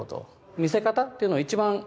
見せ方っていうのを一番